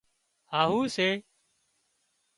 هاهو سي